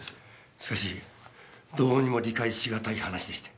しかしどうにも理解しがたい話でして。